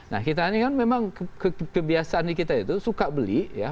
nah kita ini kan memang kebiasaan kita itu suka beli ya